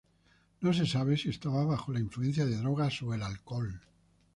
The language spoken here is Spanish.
No se sabe si estaba bajo la influencia de drogas o alcohol.